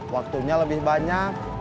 waktunya lebih banyak